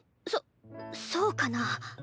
そそうかな？